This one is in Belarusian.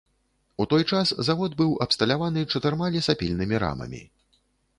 У той час завод быў абсталяваны чатырма лесапільнымі рамамі.